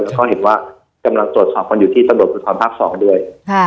แล้วก็เห็นว่ากำลังตรวจสอบคนอยู่ที่ส่วนโดยพรุธฟังภาพ๒ด้วย